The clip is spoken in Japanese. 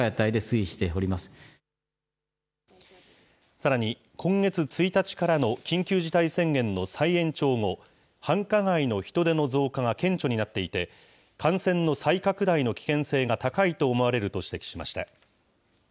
さらに、今月１日からの緊急事態宣言の再延長後、繁華街の人出の増加が顕著になっていて、感染の再拡大の危険性が高いと思われると指摘しました。